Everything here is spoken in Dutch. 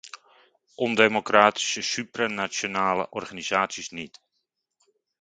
Ondemocratische, supranationale organisaties niet.